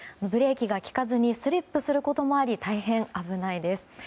ブレーキが利かずにスリップすることもあり大変、危ないです。